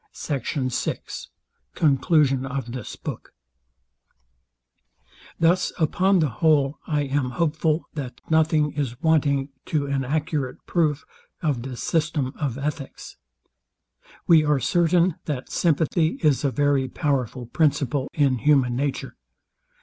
SECT. VI CONCLUSION OF THIS BOOK Thus upon the whole I am hopeful, that nothing is wanting to an accurate proof of this system of ethics. We are certain, that sympathy is a very powerful principle in human nature.